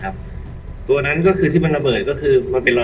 สวัสดีครับวันนี้เราจะกลับมาเมื่อไหร่